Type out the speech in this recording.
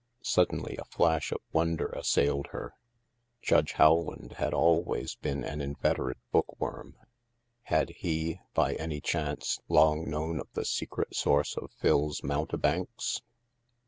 Suddenly a flash of wonder assailed her; Judge Howland had always been an inveterate bookworm; had he, by any chance, long known of the secret source of Phil's " Mountebanks